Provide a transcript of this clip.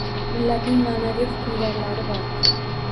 Millatning ma’naviy hukmdorlari bor.